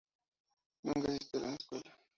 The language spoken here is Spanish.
Nunca asistió a una escuela.